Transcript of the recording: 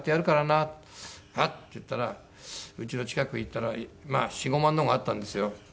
なっ！」って言ったらうちの近くへ行ったらまあ４５万のがあったんですよ。